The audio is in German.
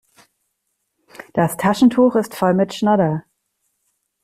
Das Taschentuch ist voll mit Schnodder.